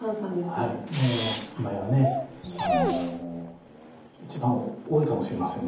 もう今や一番多いかもしれません。